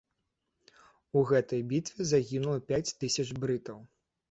У гэтай бітве загінула пяць тысяч брытаў.